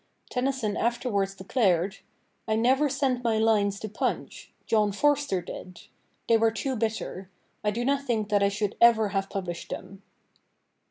Tennyson afterwards declared: 'I never sent my lines to Punch. John Forster did. They were too bitter. I do not think that I should ever have published them.'